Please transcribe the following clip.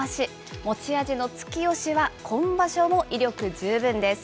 持ち味の突き押しは、今場所も威力十分です。